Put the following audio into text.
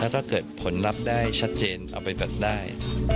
และก็เกิดผลรับได้ชัดเจนเอาไปปรับได้